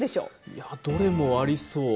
いや、どれもありそう。